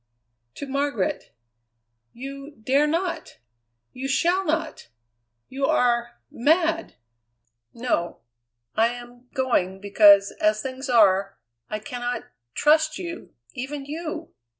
"To Margaret." "You dare not! You shall not! You are mad!" "No. I am going, because, as things are, I cannot trust you, even you!